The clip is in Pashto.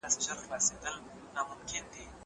زه زدکړه نه کوم!